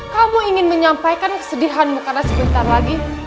kamu ingin menyampaikan kesedihanmu karena sebentar lagi